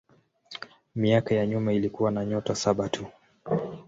Miaka ya nyuma ilikuwa na nyota saba tu.